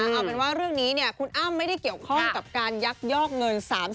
เอาเป็นว่าเรื่องนี้คุณอ้ำไม่ได้เกี่ยวข้องกับการยักยอกเงิน๓๐